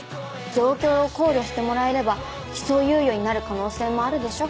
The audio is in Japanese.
状況を考慮してもらえれば起訴猶予になる可能性もあるでしょ。